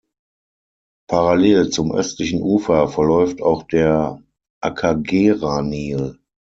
Parallel zum östlichen Ufer verläuft auch der Akagera-Nil.